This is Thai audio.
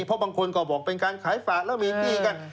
เพราะบางคนก็บอกเป็นการขายฝากแล้วมีที่กัน